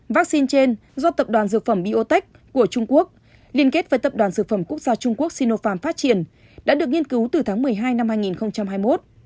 vaccine trên do tập đoàn dược phẩm biotech của trung quốc liên kết với tập đoàn dược phẩm quốc gia trung quốc sinopharm phát triển đã được nghiên cứu từ tháng một mươi hai năm hai nghìn hai mươi một